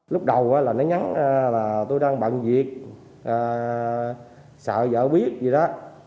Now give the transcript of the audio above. lúc đầu là nó nhắn là tôi đang bận việc sợ vợ biết gì đó